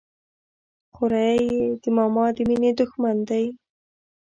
خوريي د ماما د ميني د ښمن دى.